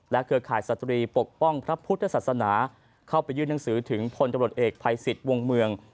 เครือข่ายสตรีปกป้องพระพุทธศาสนาเข้าไปยื่นหนังสือถึงพลตำรวจเอกภัยสิทธิ์วงเมือง